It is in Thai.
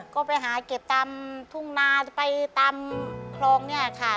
ก็ไปหาเก็บตามทุ่งนาไปตามคลองเนี่ยค่ะ